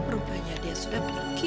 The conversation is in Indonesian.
rupanya dia sudah pergi